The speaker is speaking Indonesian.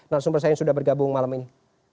nah sumber saya yang sudah bergabung malam ini